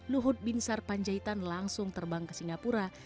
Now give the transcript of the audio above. luhut bin sar panjaitan langsung terbang ke singapura